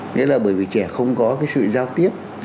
nghĩa là bởi vì trẻ không có cái sự giao tiếp